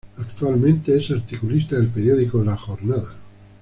Actualmente es articulista del Periódico La Jornada.